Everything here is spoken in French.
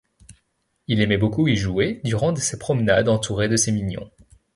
Il aimait beaucoup y jouer durant ses promenades entouré de ses mignons.